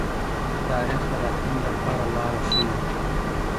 تاریخ د راتلونکي لپاره لاره ښيي.